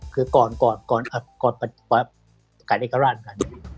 คือก่อนการเอกราชกัน